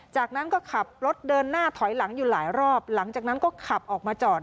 จากนั้นก็ขับรถเดินหน้าถอยหลังอยู่หลายรอบหลังจากนั้นก็ขับออกมาจอด